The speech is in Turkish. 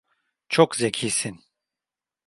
Çok zekisin.